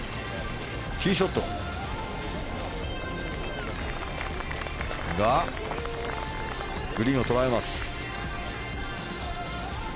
ティーショットがグリーンを捉えます。